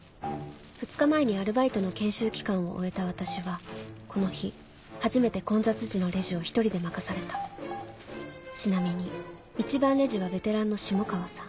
２日前にアルバイトの研修期間を終えた私はこの日初めて混雑時のレジを１人で任されたちなみに１番レジはベテランの下川さん